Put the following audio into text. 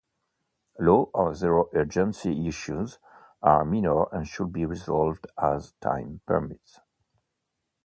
Low or zero urgency issues are minor and should be resolved as time permits.